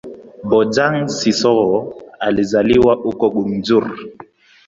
Bojang-Sissoho alizaliwa huko Gunjur.